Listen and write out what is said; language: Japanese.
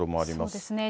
そうですね。